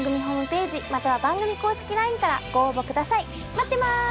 待ってまーす。